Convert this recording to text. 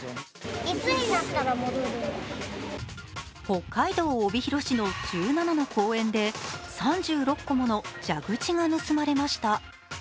北海道帯広市の１７の公園で、３６個もの蛇口が盗まれました。